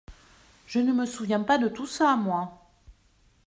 Je ne me souviens pas de tout ça, moi !